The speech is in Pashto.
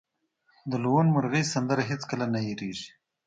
د لوون مرغۍ سندره هیڅکله نه هیریږي